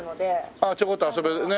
ああちょこっと遊べるね。